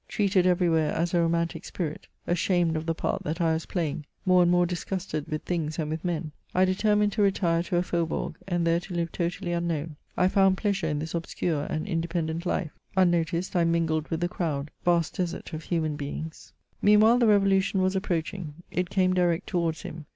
Treated every where as a romantic spirit, ashamed of the part that I was playing, more and more disgusted with things and with men, I determined to retire to a faubourg, and there to live totally unknown. I found pleasure in this obscure and independent life. Un noticed, I mingled with the crowd — ^vast desert of human beings." Meanwhile, the Revolution was approaching. It came direct towards him.